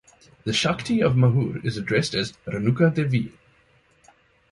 The Shakti of Mahur is addressed as Renuka Devi.